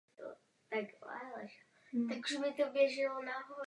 Lokomotivy byly zajímavé konstrukce s přítomností zavazadlového oddílu.